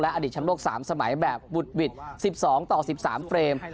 และอดีตช้ำโลกสามสมัยแบบบุดบิดสิบสองต่อสิบสามเฟรม